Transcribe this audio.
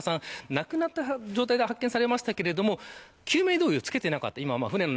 亡くなった状態で発見されましたが救命胴衣を着けていなかった。